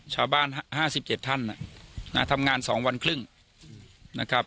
ชาบ้านห้าสิบเจ็ดท่านอ่ะน่าทำงานสองวันครึ่งนะครับ